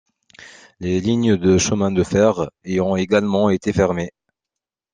Les lignes de chemin de fer y ont également été fermées.